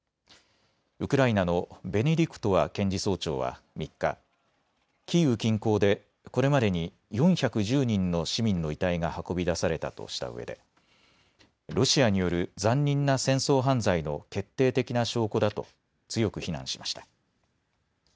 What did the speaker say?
ウクライナのベネディクトワ検事総長は３日、キーウ近郊でこれまでに４１０人の市民の遺体が運び出されたとしたうえでロシアによる残忍な戦争犯罪の決定的な証拠だと強く非難しました。